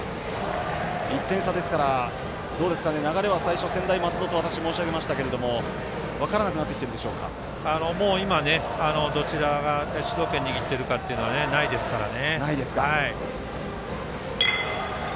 １点差ですから流れは最初、専大松戸だと私最初申し上げましたけれども分からなくなってきているもう今、どちらが主導権握っているかというのはないですからね。